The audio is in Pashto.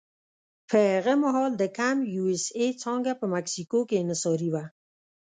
په هغه مهال د کمپ یو اس اې څانګه په مکسیکو کې انحصاري وه.